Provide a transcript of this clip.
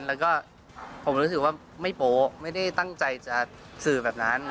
แล้วก็ผมรู้สึกว่าไม่โป๊ะไม่ได้ตั้งใจจะสื่อแบบนั้น